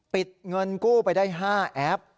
ปิดเงินกู้ไปได้๕แอป